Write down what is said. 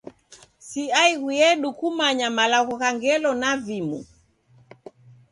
Si aighu yedu kumanya malagho gha ngelo na vimu.